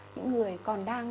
những người còn đang